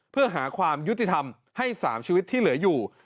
เพื่อหาความยุติธรรมให้๓ชีวิตที่เหลืออยู่